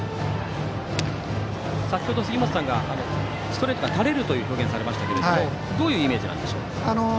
先程、杉本さんがストレートが垂れるという表現をされましたけどどういうイメージなんでしょうか。